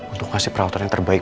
untuk kasih perawatan yang terbaik